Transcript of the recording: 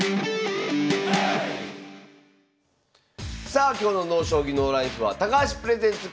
さあ今日の「ＮＯ将棋ＮＯＬＩＦＥ」は「高橋プレゼンツ